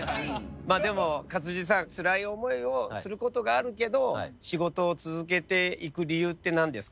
まあでも勝地さんつらい思いをすることがあるけど仕事を続けていく理由って何ですか？